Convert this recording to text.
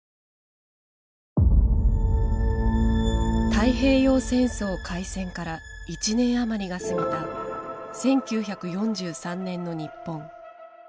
太平洋戦争開戦から１年余りが過ぎた１９４３年の日本。